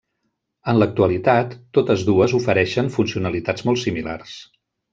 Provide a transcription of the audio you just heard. En l'actualitat, totes dues ofereixen funcionalitats molt similars.